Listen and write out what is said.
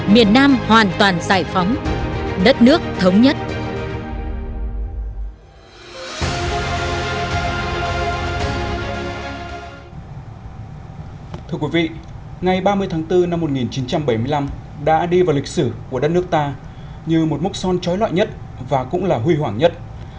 miền nam hoàn toàn giải phóng đất nước thống nhất